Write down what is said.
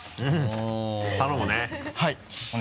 頼むね。